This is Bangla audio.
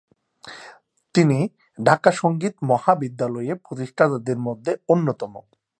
তিনি ঢাকা সঙ্গীত মহাবিদ্যালয়ের প্রতিষ্ঠাতাদের মধ্যে অন্যতম।